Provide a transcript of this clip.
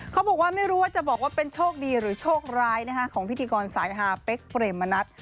เขาบอกว่าไม่รู้ว่าจะบอกว่าเป็นโชคดีหรือโชคร้ายของพิธีกรสายฮาเป๊กเปรมมณัฐ